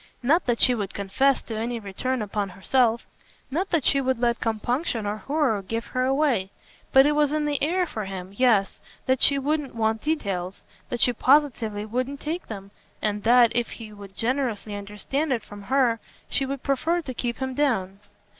Not that she would confess to any return upon herself; not that she would let compunction or horror give her away; but it was in the air for him yes that she wouldn't want details, that she positively wouldn't take them, and that, if he would generously understand it from her, she would prefer to keep him down.